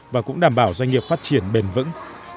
và cũng đảm bảo doanh nghiệp phát triển bền vững